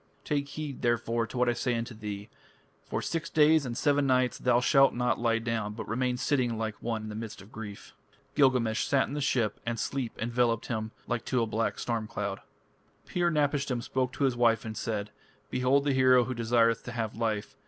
Take heed, therefore, to what I say unto thee. For six days and seven nights thou shalt not lie down, but remain sitting like one in the midst of grief." Gilgamesh sat in the ship, and sleep enveloped him like to a black storm cloud. Pir napishtim spoke to his wife and said: "Behold the hero who desireth to have life.